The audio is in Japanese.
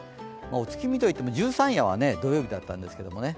お月見といっても、十三夜は土曜日だったんですけどね。